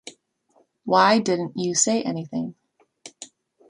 Why didn’t you say anything?